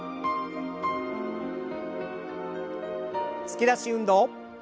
突き出し運動。